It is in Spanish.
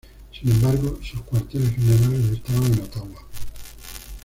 Sin embargo, sus cuarteles generales estaban en Ottawa.